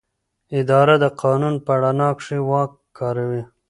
اداره د قانون په رڼا کې واک کاروي.